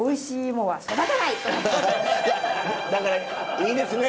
だからいいですね。